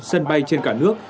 sân bay trên cả nước